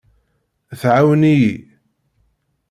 Tɛawen-iyi.